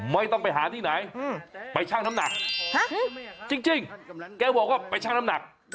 ไม่ต้องไปหาที่ไหนไปชั่งน้ำหนักจริงแกบอกว่าไปชั่งน้ำหนัก